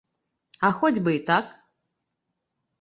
А хоць бы й так.